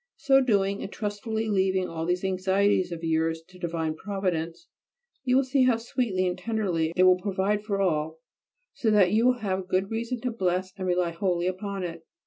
So doing, and trustfully leaving all these anxieties of yours to divine Providence, you will see how sweetly and tenderly it will provide for all, so that you will have good reason to bless and rely wholly upon it.